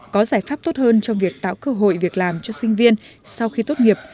có giải pháp tốt hơn trong việc tạo cơ hội việc làm cho sinh viên sau khi tốt nghiệp